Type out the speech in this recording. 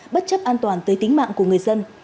bất chấp an toàn tới tính mạng của người dân